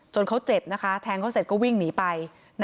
เขาเจ็บนะคะแทงเขาเสร็จก็วิ่งหนีไป